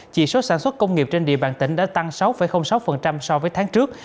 chỉ số sản xuất công nghiệp trên địa bàn tỉnh đã tăng sáu sáu so với tháng trước